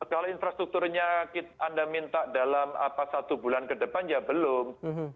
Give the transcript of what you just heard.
kalau infrastrukturnya anda minta dalam satu bulan ke depan ya belum